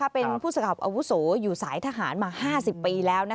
เป็นผู้สืบสารอับอะวุศูอยู่สายทหารมา๕๐ปีแล้ว